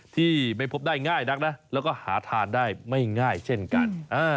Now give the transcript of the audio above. ที่ไม่พบได้ง่ายนักนะแล้วก็หาทานได้ไม่ง่ายเช่นกัน